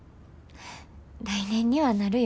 来年にはなるよ。